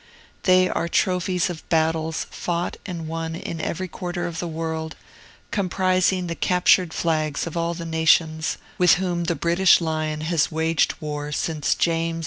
They are trophies of battles fought and won in every quarter of the world, comprising the captured flags of all the nations with whom the British lion has waged war since James II.'